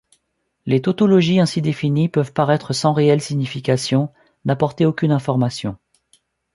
Les tautologies ainsi définies peuvent paraître sans réelle signification, n'apporter aucune information.